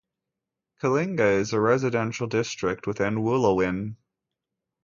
Kalinga is a residential district within Wooloowin.